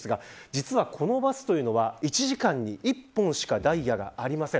実は、このバスというのは１時間に１本しかダイヤがありません。